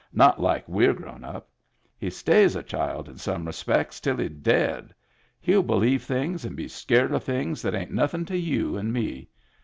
Not like we're grown up. He stays a child in some respects till he's dead. He'll believe things and be scared at things that ain't nothin' to you and me.